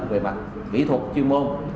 về mặt kỹ thuật chuyên môn